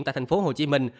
tại thành phố hồ chí minh